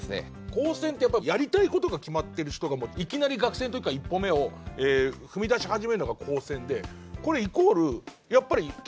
高専ってやっぱやりたいことが決まってる人がいきなり学生の時から一歩目を踏み出し始めるのが高専でこれイコールやっぱり起業的な生き方じゃないですか。